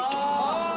ああ。